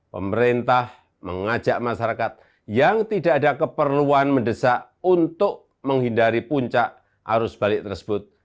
pemerintah mengajak masyarakat yang tidak ada keperluan mendesak untuk menghindari puncak arus balik tersebut